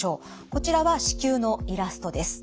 こちらは子宮のイラストです。